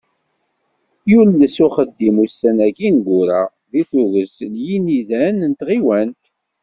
Yules uxeddim, ussan-agi ineggura, deg tuget n yinidan n tɣiwant.